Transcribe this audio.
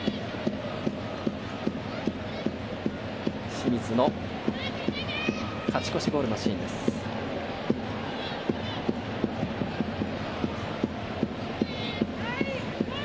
清水の勝ち越しゴールのシーンでした。